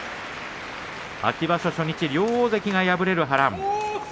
秋場所初日、両大関敗れる波乱です。